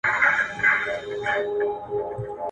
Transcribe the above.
تاسي په خپلو څېړنو کي د کومو ميتودونو څخه کار اخلئ؟